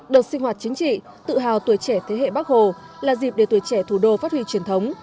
đợt sinh hoạt chính trị tự hào tuổi trẻ thế hệ bắc hồ là dịp để tuổi trẻ thủ đô phát huy truyền thống